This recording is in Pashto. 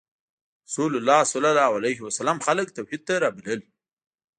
رسول الله ﷺ خلک توحید ته رابلل.